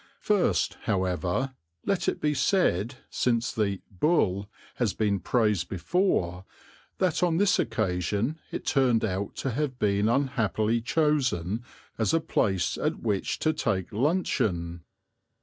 First, however, let it be said, since the "Bull" has been praised before, that on this occasion it turned out to have been unhappily chosen as a place at which to take luncheon.